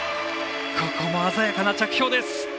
ここも鮮やかな着氷です。